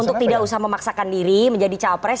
untuk tidak usah memaksakan diri menjadi cawa press